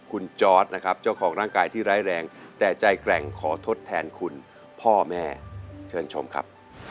คุณจอร์ดนะครับเจ้าของร่างกายที่ร้ายแรงแต่ใจแกร่งขอทดแทนคุณพ่อแม่เชิญชมครับ